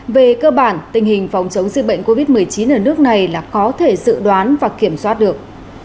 về cơ bản tình hình phòng chống dịch bệnh covid một mươi chín ở nước này là có thể dự đoán và kiểm soát được